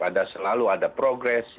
ada selalu ada progress